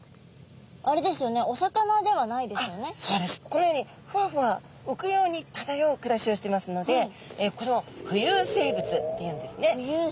このようにふわふわうくように漂う暮らしをしていますのでこれを浮遊生物っていうんですね。